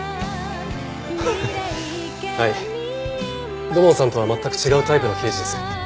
ハハはい土門さんとは全く違うタイプの刑事です。